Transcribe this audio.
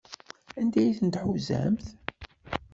Anda ay ten-tḥuzamt?